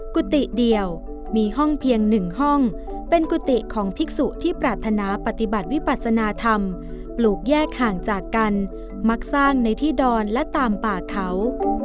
กุฏิเดียวมีห้องเพียงหนึ่งห้องเป็นกุฏิของภิกษุที่ปรารถนาปฏิบัติวิปัสนาธรรมปลูกแยกห่างจากกันมักสร้างในที่ดอนและตามป่าเขา